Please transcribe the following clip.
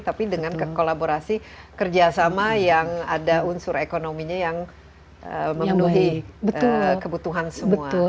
tapi dengan kolaborasi kerjasama yang ada unsur ekonominya yang memenuhi kebutuhan semua